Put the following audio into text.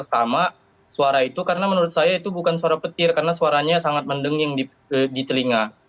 sama suara itu karena menurut saya itu bukan suara petir karena suaranya sangat mendenging di telinga